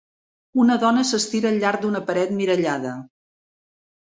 Una dona s'estira al llarg d'una paret mirallada.